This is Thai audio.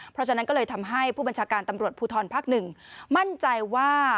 เพราะฉะนั้นก็เลยทำให้ผู้บัญชาการตำรวจภูทรภักดิ์๑มั่นใจว่า